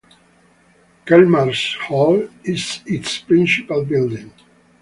Kelmarsh Hall is its principal building.